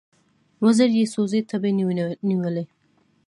وزر یې سوزي تبې نیولی